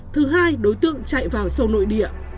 thứ hai đối tượng chạy vào sâu nội địa